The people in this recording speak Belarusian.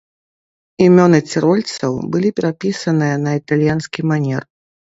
Імёны цірольцаў былі перапісаныя на італьянскі манер.